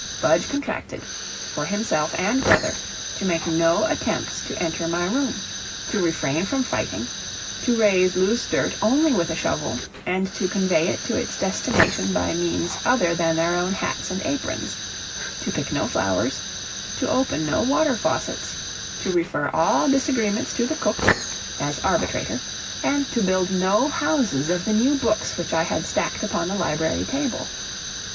Budge contracted, for himself and brother, to make no attempts to enter my room; to refrain from fighting; to raise loose dirt only with a shovel, and to convey it to its destination by means other than their own hats and aprons; to pick no flowers; to open no water faucets; to refer all disagreements to the cook, as arbitrator, and to build no houses of the new books which I had stacked upon the library table.